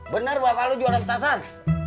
bener bapak lu jualan petasan